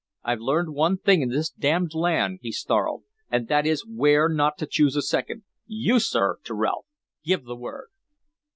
"I've learned one thing in this d d land," he snarled, "and that is where not to choose a second. You, sir," to Rolfe, "give the word."